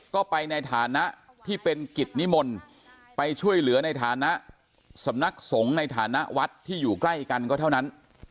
ก็ไปในฐานะที่เป็นกิจนิมนต์ไปช่วยเหลือในฐานะสำนักสงฆ์ในฐานะวัดที่อยู่ใกล้กันก็เท่านั้น